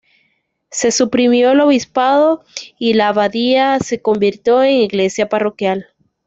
Se suprimió el obispado y la abadía se convirtió en iglesia parroquial.